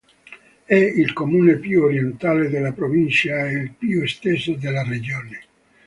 È il comune più orientale della provincia ed il più esteso della Regione.